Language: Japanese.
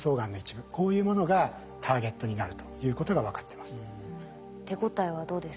こういうものがターゲットになるということが分かってます。